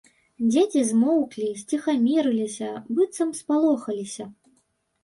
Дзеці змоўклі, сціхамірыліся, быццам спалохаліся.